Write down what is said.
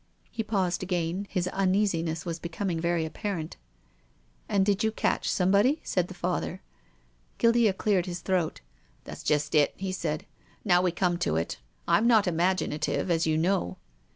He paused again. His uneasiness was becom ing very apparent. "And you did catch somebody?" said the Father. Guildea cleared his throat. " That's just it," he said, " now wc come to it. Fm not imaginative, as you know."